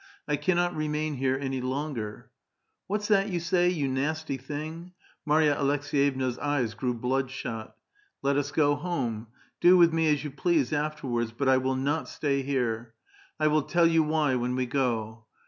I cannot remain here any longer." '* What's that you sa}', you nabty thing?" Mary a Alek s^yevna's eyes grew bloodshot. " Let us go home. Do with me as you please afterwards, but I will not stay here. 1 will tell you why when we go.